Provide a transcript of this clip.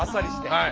はい。